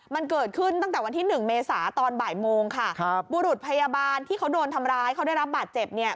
มันเกิดขึ้นตั้งแต่วันที่หนึ่งเมษาตอนบ่ายโมงค่ะครับบุรุษพยาบาลที่เขาโดนทำร้ายเขาได้รับบาดเจ็บเนี่ย